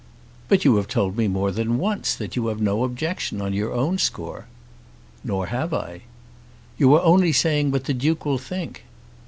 "But you have told me more than once that you have no objection on your own score." "Nor have I." "You are only saying what the Duke will think."